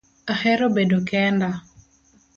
Ahero bedo kenda